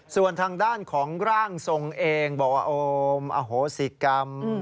ส่วนทางด้านของร่างทรงเองบอกว่าโอมอโหสิกรรม